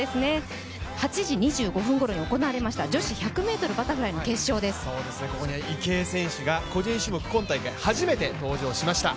８時２５分ごろに行われました女子１００ｍバタフライの池江選手が個人種目今大会初めて登場しました。